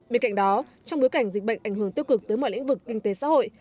bên cạnh đó trong bối cảnh dịch bệnh ảnh hưởng tiêu cực tới mọi lĩnh vực kinh tế xã hội